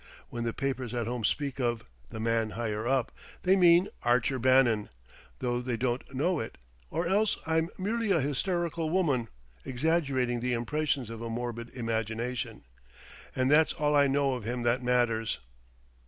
When the papers at home speak of 'The Man Higher Up' they mean Archer Bannon, though they don't know it or else I'm merely a hysterical woman exaggerating the impressions of a morbid imagination.... And that's all I know of him that matters."